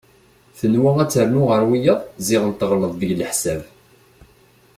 Tenwa ad ternu ɣer wiyaḍ ziɣen teɣleḍ deg leḥsab.